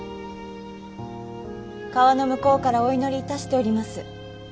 川の向こうからお祈りいたしております。